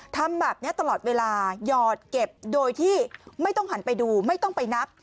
ทำแบบนี้ตลอดเวลาหยอดเก็บโดยที่ไม่ต้องหันไปดูไม่ต้องไปนับ